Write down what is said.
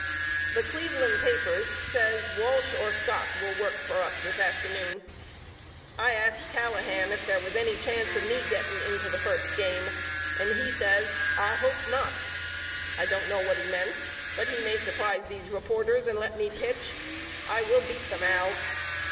The Cleveland papers says Walsh or Scott will work for us this afternoon. I asked Callahan if there was any chance of me getting into the first game and he says I hope not. I don't know what he meant but he may surprise these reporters and let me pitch. I will beat them Al.